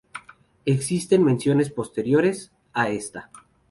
Existen menciones posteriores, a esta.